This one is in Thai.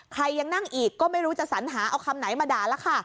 ใครยังนั่งอีกก็ไม่รู้จะสัญหาเอาคำไหนมาด่าแล้วค่ะ